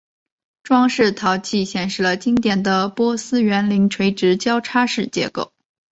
装饰陶器显示了经典的波斯园林垂直交叉式结构。